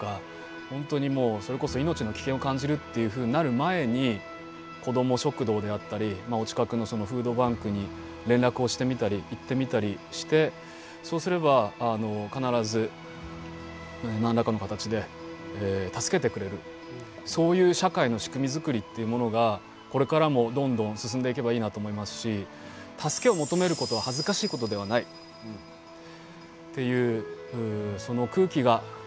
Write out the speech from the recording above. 本当にもうそれこそ命の危険を感じるっていうふうになる前に子ども食堂であったりお近くのフードバンクに連絡をしてみたり行ってみたりしてそうすれば必ず何らかの形で助けてくれるそういう社会の仕組みづくりっていうものがこれからもどんどん進んでいけばいいなと思いますしっていううん。